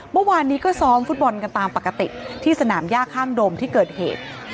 เมื่อวานนี้ก็ซ้อมฟุตบอลกันตามปกติที่สนามย่าข้างดมที่เกิดเหตุ